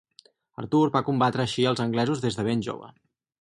Artur va combatre així als anglesos des de ben jove.